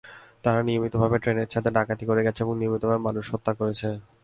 তারা নিয়মিতভাবে ট্রেনের ছাদে ডাকাতি করে গেছে এবং নিয়মিতভাবে মানুষ হত্যা করেছে।